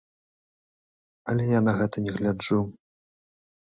Але я на гэта не гляджу.